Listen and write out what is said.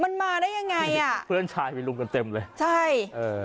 มันมาได้ยังไงอ่ะเพื่อนชายไปลุมกันเต็มเลยใช่เออ